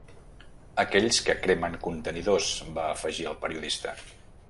Aquells que cremen contenidors, va afegir el periodista.